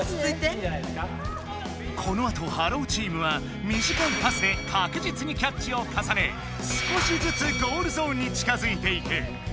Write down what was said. このあと「ｈｅｌｌｏ，」チームはみじかいパスでかくじつにキャッチをかさね少しずつゴールゾーンに近づいていく！